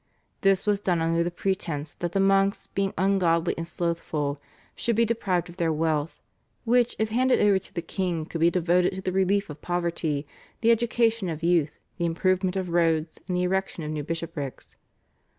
This was done under the pretence that the monks, being ungodly and slothful, should be deprived of their wealth, which if handed over to the king could be devoted to the relief of poverty, the education of youth, the improvement of roads, and the erection of new bishoprics.